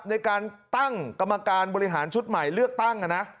ในการตั้งกรรมการบริหารชุดใหม่เลือกตั้งนะ